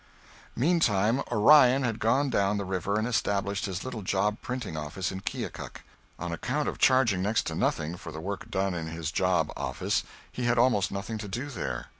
... Meantime Orion had gone down the river and established his little job printing office in Keokuk. On account of charging next to nothing for the work done in his job office, he had almost nothing to do there.